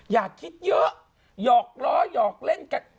อย่าคิดเยอะหยอกล้อหยอกเล่นกัน